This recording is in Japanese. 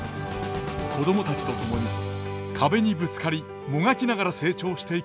子供たちと共に壁にぶつかりもがきながら成長していく学園ドラマ。